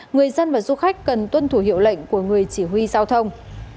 người dân và du khách cần tuân thủ hiệu lệnh của người chỉ huy giao thông